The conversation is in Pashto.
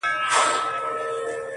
زړه مي له رباب سره ياري کوي!!